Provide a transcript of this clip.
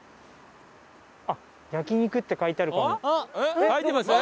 あっ「焼肉」って書いてあるかも。